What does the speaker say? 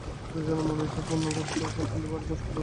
দুইজনের মনের ইচ্ছা পূর্ণ হইল বটে, কিন্তু ভারি মুশকিল বাধিয়া গেল।